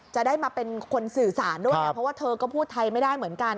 จะได้มาเป็นคนสื่อสารด้วยเพราะว่าเธอก็พูดไทยไม่ได้เหมือนกัน